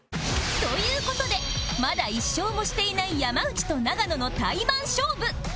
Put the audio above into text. という事でまだ１勝もしていない山内と永野のタイマン勝負！